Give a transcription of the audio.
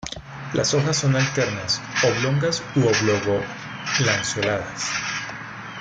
Las hojas son alternas, oblongas u oblogo-lanceoladas.